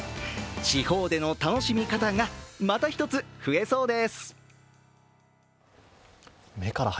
地方での楽しみ方がまた一つ、増えそうです。